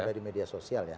ada di media sosial ya